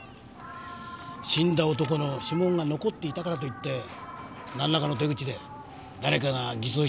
死んだ男の指紋が残っていたからといってなんらかの手口で誰かが偽造したって可能性もあるしな。